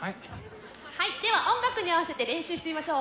はいでは音楽に合わせて練習してみましょう。